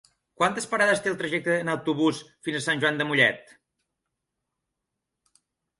Quantes parades té el trajecte en autobús fins a Sant Joan de Mollet?